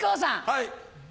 はい。